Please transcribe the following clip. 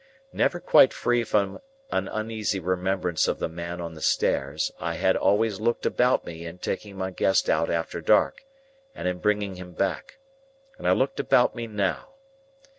Never quite free from an uneasy remembrance of the man on the stairs, I had always looked about me in taking my guest out after dark, and in bringing him back; and I looked about me now.